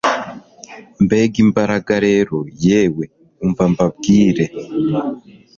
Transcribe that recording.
Mbega imbaraga rero yewe umva mbabwire